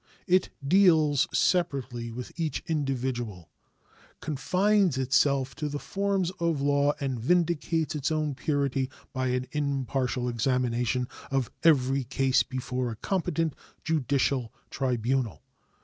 It deals separately with each individual, confines itself to the forms of law, and vindicates its own purity by an impartial examination of every case before a competent judicial tribunal.